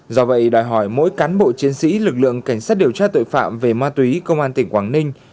do vậy đòi hỏi mỗi cán bộ chiến sĩ lực lượng cảnh sát điều tra tội phạm về ma túy công an tỉnh quảng ninh